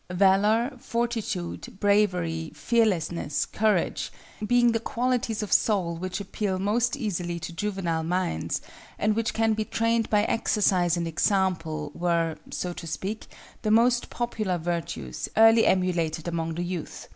Valor, Fortitude, Bravery, Fearlessness, Courage, being the qualities of soul which appeal most easily to juvenile minds, and which can be trained by exercise and example, were, so to speak, the most popular virtues, early emulated among the youth.